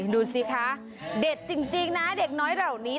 ดูสิคะเด็ดจริงนะเด็กน้อยเหล่านี้